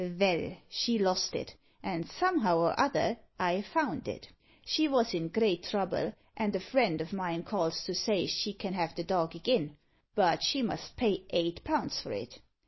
Vell, she lost it; and, somehow or other, I found it. She vos in great trouble, and a friend o' mine calls to say she can have the dog agin, but she must pay eight pound for it.